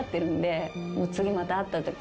次また会ったとき。